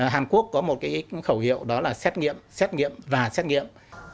hàn quốc có một khẩu hiệu đó là xét nghiệm xét nghiệm và xét nghiệm